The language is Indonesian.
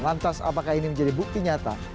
lantas apakah ini menjadi bukti nyata